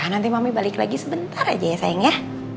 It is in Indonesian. nanti mami balik lagi sebentar aja ya sayang ya